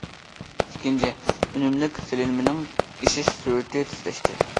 ئىككىنچى، ئۈنۈملۈك سېلىنمىنىڭ ئېشىش سۈرئىتى تېزلەشتى.